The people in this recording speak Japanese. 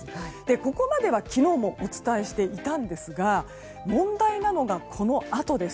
ここまでは昨日もお伝えしていたんですが問題なのが、このあとです。